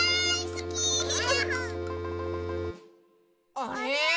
あれ？